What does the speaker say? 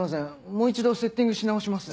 もう一度セッティングし直します。